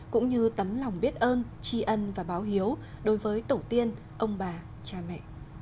cũng như tấm lòng biết ơn tri ân và báo hiếu đối với tổ tiên ông bà cha mẹ